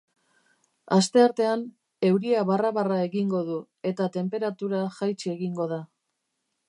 Asteartean, euria barra-barra egingo du, eta tenperatura jaitsi egingo da.